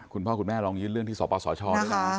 คุณพ่อคุณแม่ลองยืนเรื่องที่สอบปากสอชอบด้วยนะคะ